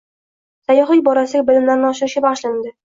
Sayyohlik borasidagi bilimlarni oshirishga bag‘ishlandi